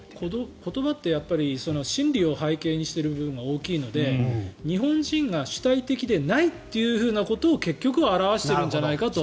言葉って心理を背景にしている部分が大きいので日本人が主体的でないということを結局は表してるんじゃないかと。